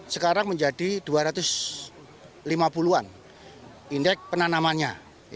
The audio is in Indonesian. sekarang menjadi dua ratus lima puluh an indeks penanamannya